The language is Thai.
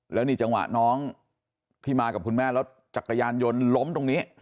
แล้วนี่จังหวะน้องที่มากับคุณแม่แล้วจักรยานยนต์ล้มตรงนี้